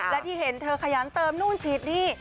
และที่เห็นเธอขยันเติมนู่นฉีดนี่